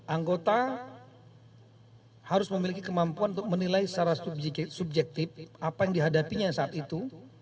anggota harus memiliki kemampuan untuk menilai secara subjektif apa yang dihadapinya saat itu